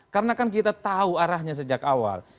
karena kan kita tahu arahnya sejak awal